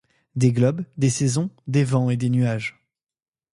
Des globes, des saisons, des vents et des nuages ;